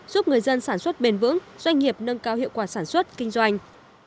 giúp người dân sản xuất bền vững doanh nghiệp nâng cao hiệu quả sản xuất kinh doanh